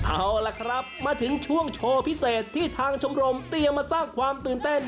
เอาล่ะครับมาถึงช่วงโชว์พิเศษที่ทางชมรมเตรียมมาสร้างความตื่นเต้น